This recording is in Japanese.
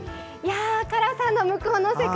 辛さの向こうの世界。